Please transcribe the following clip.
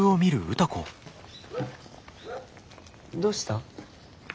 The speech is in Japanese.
どうした？